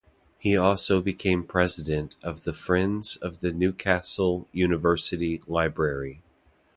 He also became president of the Friends of the Newcastle University Library.